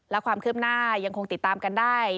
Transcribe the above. และความคืบหน้ายังคงติดตามกันได้